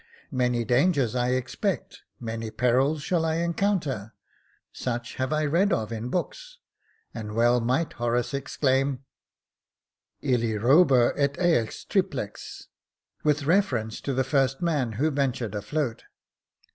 Many dangers I expect, many perils shall I encounter ; such have I read of in books ; and well might Horace exclaim —'////' robur et as triplex,^ with reference to the first man who ventured afloat.